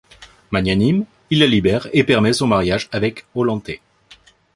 Magnanime, il la libère et permet son mariage avec Ollantay.